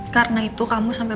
karena itu kamu sampai